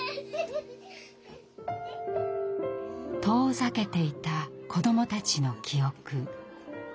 遠ざけていた子どもたちの記憶。